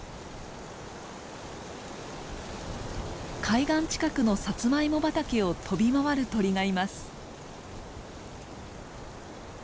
海岸近くのサツマイモ畑を飛び回る鳥がいます。